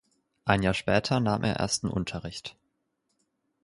Ein Jahr später nahm er ersten Unterricht.